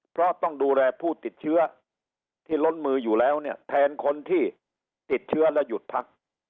เพราะต้องดูแลผู้ติดเชื้อที่ล้นมืออยู่แล้วเนี่ยแทนคนที่ติดเชื้อและหยุดพัก